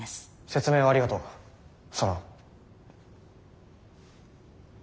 説明をありがとうソロン。